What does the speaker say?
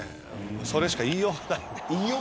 それしか言いようがないです。